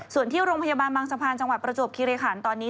ส่วนที่โรงพยาบาลบางสะพานจังหวัดประจวบคิริขันตอนนี้